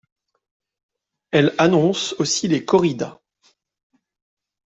Elle annonce aussi les corridas.